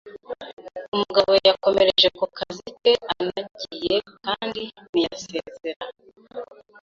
Umugabo yakomereje ku kazi ke anangiye kandi ntiyasezera.